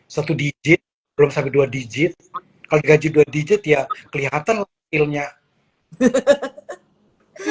satu digit belum sampai dua digit kalau gaji dua digit ya kelihatannya